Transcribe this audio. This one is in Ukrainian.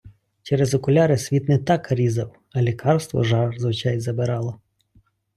Через окуляри світ не так різав, а лікарство жар з очей забирало.